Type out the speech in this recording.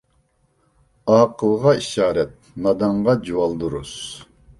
ئاقىلغا ئىشارەت، نادانغا جۇۋالدۇرۇز.